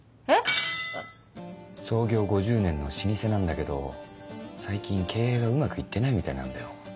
えっ⁉創業５０年の老舗なんだけど最近経営がうまく行ってないみたいなんだよ。